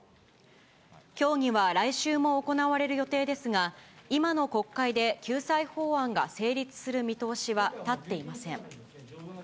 協議は来週も行われる予定ですが、今の国会で救済法案が成立する見通しは立っていません。